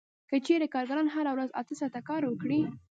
که چېرې کارګران هره ورځ اته ساعته کار وکړي